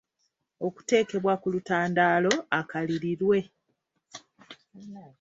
okuteekebwa ku lutandaalo akalirirwe